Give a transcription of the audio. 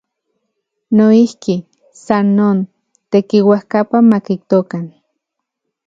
Noijki, san non, tekiuajkapa makijtokan.